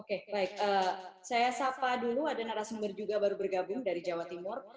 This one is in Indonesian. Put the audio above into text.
oke baik saya sapa dulu ada narasumber juga baru bergabung dari jawa timur